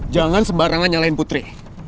jangan sembarangan nyalahin putri